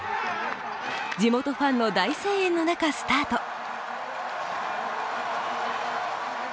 地元ファンの大声援の中スタート。